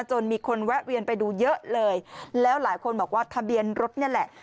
จนมีคนแวะเวียนไปดูเยอะเลยแล้วหลายคนบอกว่าทะเบียนรถนี่แหละ